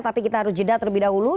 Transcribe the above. tapi kita harus jeda terlebih dahulu